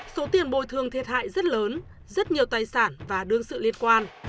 số tiền bồi thương thiệt hại rất lớn rất nhiều tài sản và đương sự liên quan